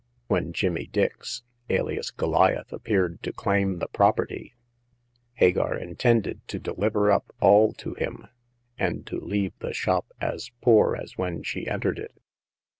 When Jimmy Dix, alias Goliath, appeared to claim the property, Hagar intended to deliver up all to him, and to leave the shop as poor as when she entered it.